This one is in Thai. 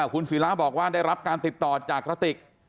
คุณศิราบอกว่าได้รับการติดต่อจากกระติก